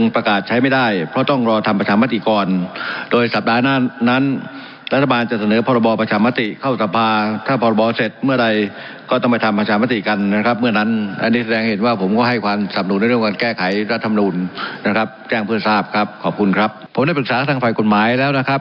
ผมได้ปรึกษาทางฝ่ายกฎหมายแล้วนะครับ